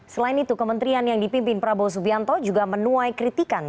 selain itu kementerian yang dipimpin prabowo subianto juga menuai kritikan